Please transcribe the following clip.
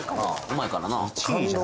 うまいからな感動